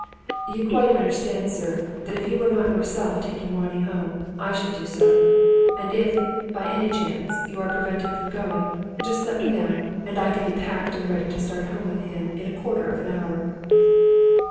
"You quite understand, sir, that if you were not yourself taking Ronnie home, I should do so? And if, by any chance, you are prevented from going, just let me know, and I can be packed and ready to start home with him in a quarter of an hour."